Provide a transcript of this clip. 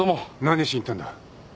何しに行ったんだ？